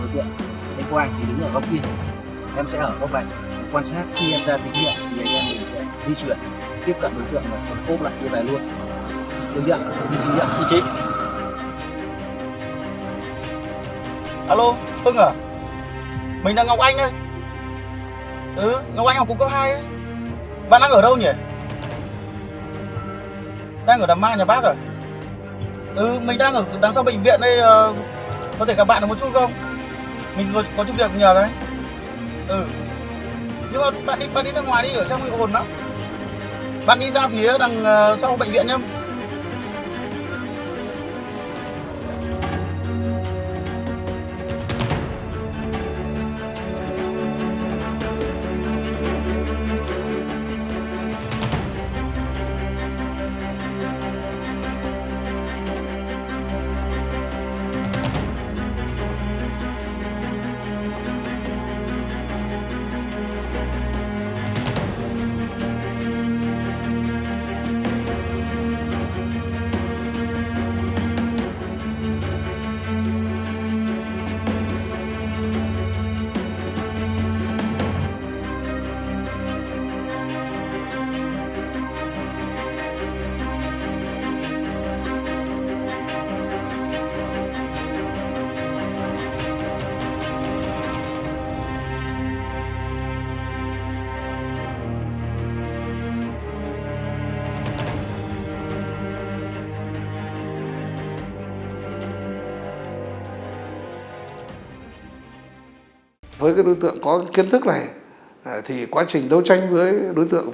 đối tượng anh có anh thì đứng ở góc kia em sẽ ở góc này quan sát khi em ra tỉnh điện thì anh em sẽ di chuyển tiếp cận đối tượng và sẽ hút lại kia về luôn